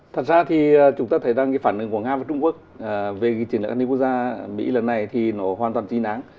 thật ra thì chúng ta thấy rằng cái phản ứng của nga và trung quốc về cái chiến lược an ninh quốc gia mỹ lần này thì nó hoàn toàn chính đáng